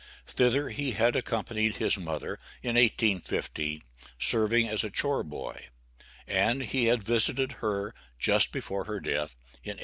Thither he had accompanied his mother, in 1815, serving as a chore boy, and he had visited her just before her death, in 1823.